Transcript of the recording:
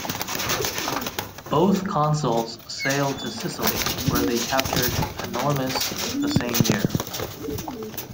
Both consuls sailed to Sicily, where they captured Panormus the same year.